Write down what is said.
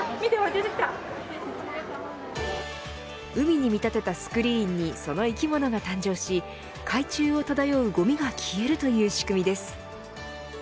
海に見立てたスクリーンにその生き物が誕生し海中を漂うごみが消えるという仕組みです。